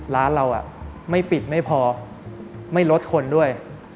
ร้านเราไม่ปิดไม่พอไม่ลดคนด้วย